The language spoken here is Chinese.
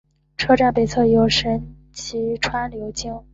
车站北侧有神崎川流经。